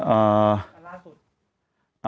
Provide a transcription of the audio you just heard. อ่า